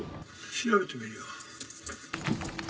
調べてみるよ。